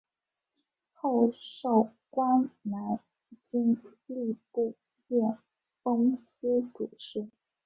后授官南京吏部验封司主事。